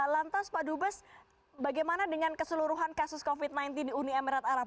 lantas pak dubes bagaimana dengan keseluruhan kasus covid sembilan belas di uni emirat arab